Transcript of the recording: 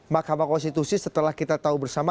mahkamah konstitusi setelah kita tahu bersama